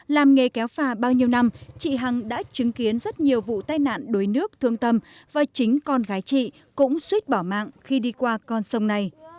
làm nghề kéo phà bao nhiêu năm chị hằng đã chứng kiến rất nhiều vụ tai nạn đuối nước thương tâm và chính con gái chị cũng suýt bỏ mạng khi đi qua con sông này